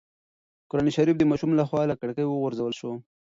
قرانشریف د ماشوم له خوا له کړکۍ وغورځول شو.